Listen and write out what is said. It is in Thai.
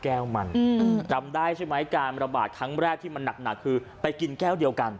แก้วมันจำได้ใช่ไหมการระบาดครั้งแรกที่มันหนักคือไปกินแก้วเดียวกัน